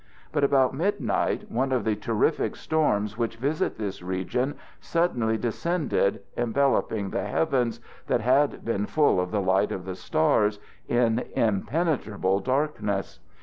But about midnight one of the terrific storms which visit this region suddenly descended, enveloping the heavens, that had been full of the light of the stars, in impenetrable darkness.